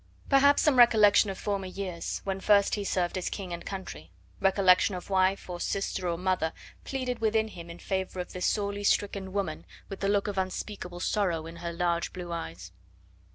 Perhaps some recollection of former years, when first he served his King and country, recollection of wife or sister or mother pleaded within him in favour of this sorely stricken woman with the look of unspeakable sorrow in her large blue eyes.